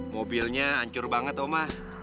mobilnya hancur banget oma